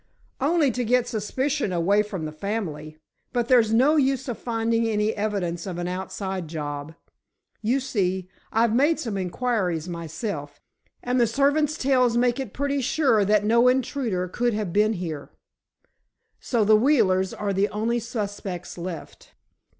"Only to get suspicion away from the family. But there's no hope of finding any evidence of an outside job. You see, I've made some inquiries myself, and the servants' tales make it pretty sure that no intruder could have been here. So, the Wheelers are the only suspects left."